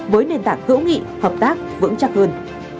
với nền tảng hữu nghị hợp tác vững chắc hơn